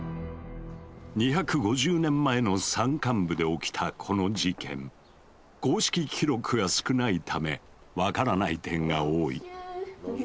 ２５０年前の山間部で起きたこの事件公式記録が少ないため分からない点が多い。